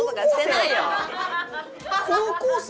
高校生？